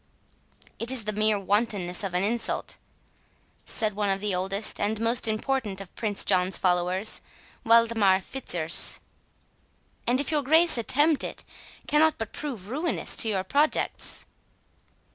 "It is the mere wantonness of insult," said one of the oldest and most important of Prince John's followers, Waldemar Fitzurse, "and if your Grace attempt it, cannot but prove ruinous to your projects."